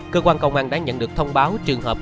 cơ quan công an đã nhận được thông báo